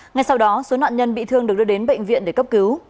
ngay sau đó số nạn nhân bị thương được đưa đến bệnh viện để cấp cứu